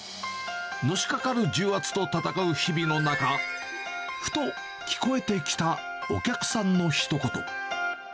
のしかかる重圧と闘う日々の中、ふと聞こえてきたお客さんのひと言。